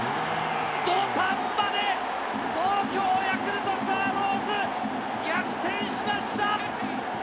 土壇場で、東京ヤクルトスワローズ、逆転しました。